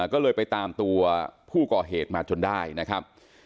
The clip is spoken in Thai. ก็เลยไปตามตัวผู้ก่อเหตุมาจนได้นะครับ